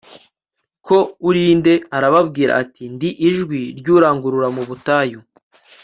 ko uri nde arababwira ati ndi ijwi ry urangururira mu butayu